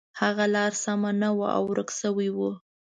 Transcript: هغه لاره سمه نه وه او ورک شوی و.